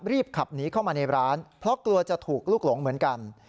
ขับหนีเข้ามาในร้านเพราะกลัวจะถูกลูกหลงเหมือนกัน